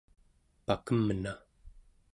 pakemna